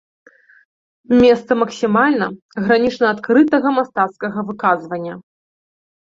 Месца максімальна, гранічна адкрытага мастацкага выказвання.